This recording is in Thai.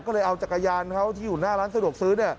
ก็เลยเอาจักรยานเขาที่อยู่หน้าร้านสะดวกซื้อ